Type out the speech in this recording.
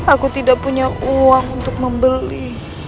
aku tidak punya uang untuk membeli